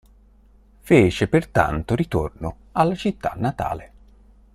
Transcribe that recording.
Fece pertanto ritorno alla città natale.